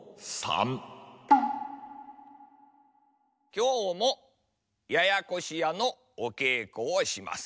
きょうも「ややこしや」のおけいこをします。